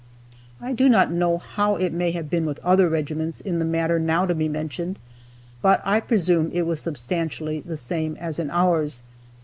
I do not know how it may have been with other regiments in the matter now to be mentioned, but I presume it was substantially the same as in ours.